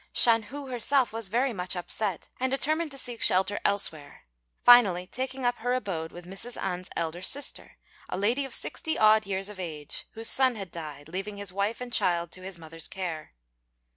Shan hu herself was very much upset, and determined to seek shelter elsewhere, finally taking up her abode with Mrs. An's elder sister, a lady of sixty odd years of age, whose son had died, leaving his wife and child to his mother's care.